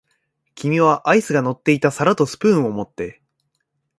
君はアイスが乗っていた皿とスプーンを持って、